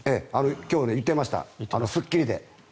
今日言っていました「スッキリ」で。